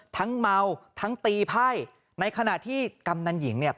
เมาทั้งตีไพ่ในขณะที่กำนันหญิงเนี่ย